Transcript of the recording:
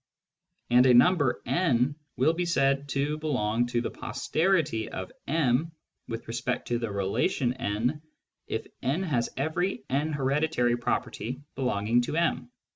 And a number n will be said to belong to the " posterity " of m with respect to the relation N if n has every N hereditary property belonging to m.